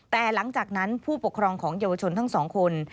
แต่หลังจากนั้นผู้ปกครองของเยาวชนทั้งสองคน